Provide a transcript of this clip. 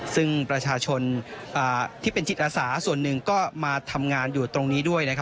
ซึ่งประชาชนที่เป็นจิตอาสาส่วนหนึ่งก็มาทำงานอยู่ตรงนี้ด้วย